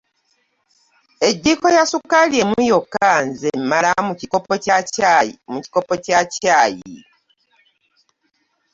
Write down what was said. Ejjiiko ya ssukaali emu yokka nze emmala mu kikopo kya caayi.